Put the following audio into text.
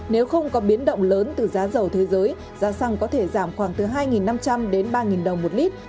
nếu không có biến động lớn từ giá dầu thế giới giá xăng có thể giảm khoảng từ hai năm trăm linh đến ba đồng một lít